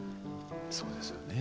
そうですよね。